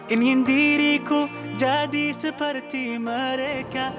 ingin diriku jadi seperti mereka